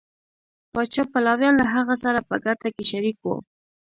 پاچا پلویان له هغه سره په ګټه کې شریک وو.